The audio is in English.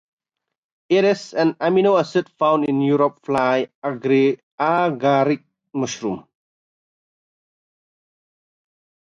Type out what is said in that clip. It is an amino acid found in European fly agaric mushrooms.